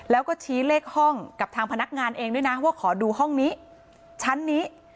แล้วก็ชี้เลขห้องกับทางพนักงานเองด้วยนะว่าขอดูห้องนี้ชั้นนี้